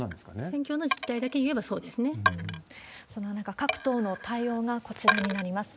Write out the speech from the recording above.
選挙の実態だけ言えば、そんな中、各党の対応がこちらになります。